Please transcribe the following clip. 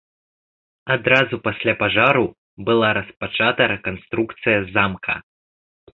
Адразу пасля пажару была распачата рэканструкцыя замка.